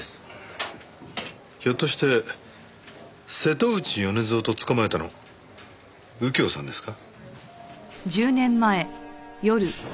ひょっとして瀬戸内米蔵を取っ捕まえたの右京さんですか？